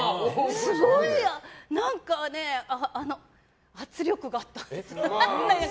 すごい何か圧力があった。